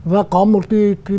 và có một cái